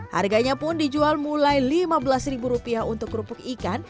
harganya pun dijual mulai lima belas rupiah untuk kerupuk ikan